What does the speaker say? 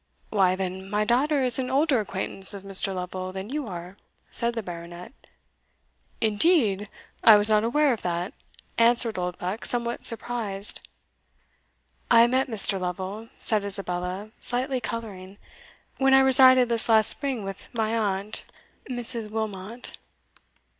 "Why, then, my daughter is an older acquaintance, of Mr. Lovel than you are," said the Baronet. "Indeed! I was not aware of that," answered Oldbuck somewhat surprised. "I met Mr. Lovel," said Isabella, slightly colouring, "when I resided this last spring with my aunt, Mrs. Wilmot."